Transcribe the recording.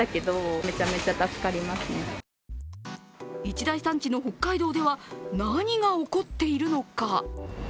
一大産地の北海道では何が起こっているのか。